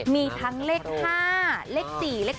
มีทั้งเลข๕เลข๔เลข๗